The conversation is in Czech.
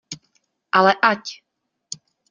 Ale ať!